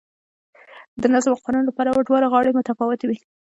د نظم او قانون له پلوه دواړه غاړې متفاوتې وې.